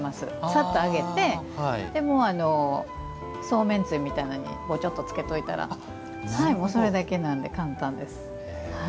さっと揚げてそうめんつゆみたいなのにぼちょっと、つけておいたらそれだけなので簡単です。